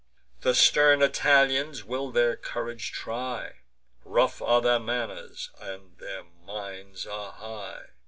The stern Italians will their courage try; Rough are their manners, and their minds are high.